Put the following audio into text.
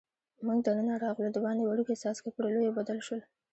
موږ دننه راغلو، دباندې وړوکي څاڅکي پر لویو بدل شول.